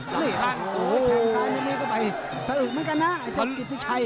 ทางซ้ายนี่ก็ไปสะอึดเหมือนกันนะ